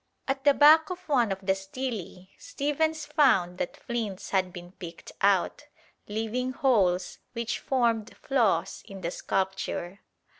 At the back of one of the stelae Stephens found that flints had been picked out, leaving holes which formed flaws in the sculpture.